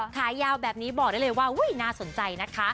ขายาวแบบนี้บอกได้เลยว่าน่าสนใจนะคะ